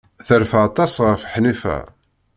Terfa aṭas ɣef Ḥnifa.